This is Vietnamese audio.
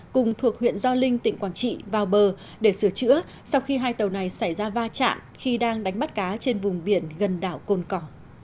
cùng thuộc huyện gio linh tỉnh quảng trị vào bờ để sửa chữa sau khi hai tàu này xảy ra va chạm khi đang đánh bắt cá trên vùng biển gần đảo cồn cỏ